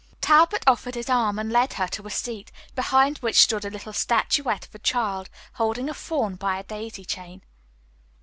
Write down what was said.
Talbot offered his arm and led her to a seat, behind which stood a little statuette of a child holding a fawn by a daisy chain.